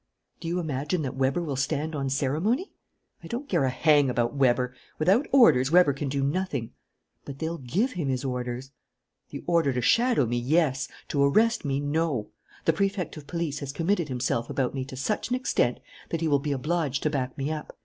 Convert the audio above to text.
"Do you imagine that Weber will stand on ceremony?" "I don't care a hang about Weber. Without orders, Weber can do nothing." "But they'll give him his orders." "The order to shadow me, yes; to arrest me, no. The Prefect of Police has committed himself about me to such an extent that he will be obliged to back me up.